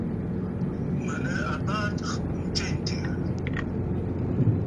Mə̀ nɨ̂ àbaa ntswêntɨ̀ɨ̀.